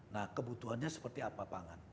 nah kebutuhannya seperti apa pangan